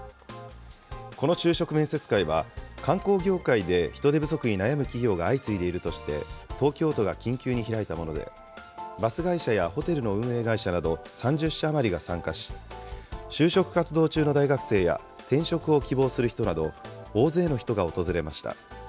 この就職面接会は、観光業界で人手不足に悩む企業が相次いでいるとして、東京都が緊急に開いたもので、バス会社やホテルの運営会社など３０社余りが参加し、就職活動中の大学生や、転職を希望する人など、大勢の人が訪れました。